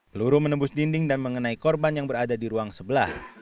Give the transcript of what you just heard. peluru menembus dinding dan mengenai korban yang berada di ruang sebelah